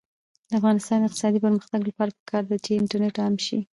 د افغانستان د اقتصادي پرمختګ لپاره پکار ده چې انټرنیټ عام شي.